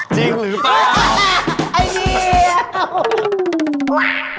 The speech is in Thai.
จริงหรือเปล่าอ่ะอันดี